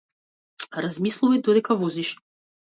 Размислувај додека возиш.